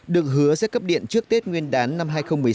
được hứa sẽ cấp điện trước tết nguyên đán năm hai nghìn một mươi chín